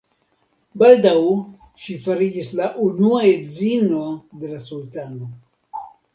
Baldaŭ ŝi fariĝis la Unua edzino de la sultano.